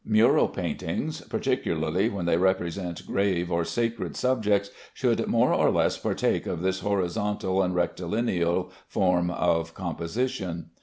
Mural paintings, particularly when they represent grave or sacred subjects, should more or less partake of this horizontal and rectilinear form of composition.